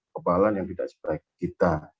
kebalan yang tidak seberat kita